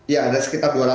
ya ada sekitar